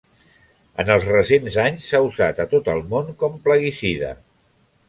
En els recents anys s'ha usat a tot el món com plaguicida.